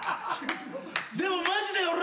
でもマジで俺。